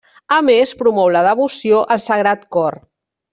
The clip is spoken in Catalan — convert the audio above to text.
A més, promou la devoció al Sagrat Cor.